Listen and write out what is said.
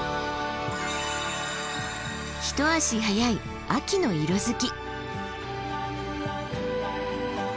一足早い秋の色づき。